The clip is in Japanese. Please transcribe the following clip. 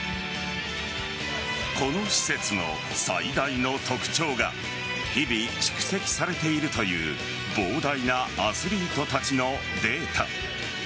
この施設の最大の特徴が日々、蓄積されているという膨大なアスリートたちのデータ。